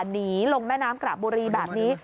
หนีลงแม่น้ำกระบุรีแบบนี้